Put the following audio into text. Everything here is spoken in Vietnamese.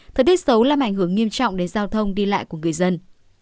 thời tiết xấu làm ảnh hưởng nghiêm trọng đến giao thông đi lại của người dân